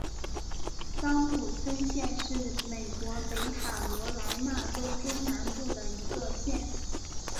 桑普森县是美国北卡罗莱纳州中南部的一个县。